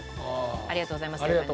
ありがとうございますって感じ。